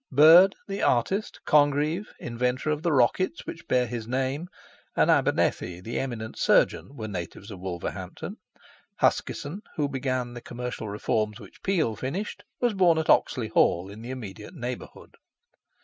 Bird, the artist, Congreve, inventor of the rockets which bear his name, and Abernethy, the eminent surgeon, were natives of Wolverhampton; Huskisson, who began the commercial reforms which Peel finished, was born at Oxley Hall, in the immediate neighbourhood.